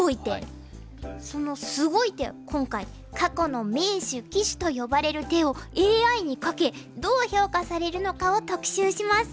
そのすごい手を今回過去の名手・鬼手と呼ばれる手をＡＩにかけどう評価されるのかを特集します。